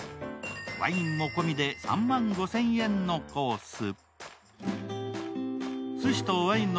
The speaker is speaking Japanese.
ワインも込みで３万５０００円のコース